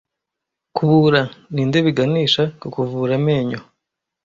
Kubura ninde biganisha ku kuvura amenyo